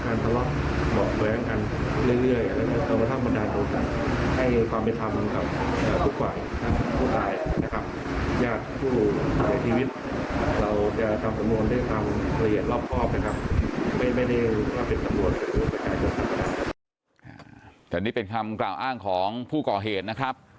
แต่นี่เป็นคำกล่าวอ้างของผู้ก่อเหตุนะครับ